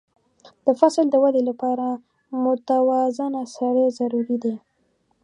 د فصل د وده لپاره متوازنه سرې ضروري دي.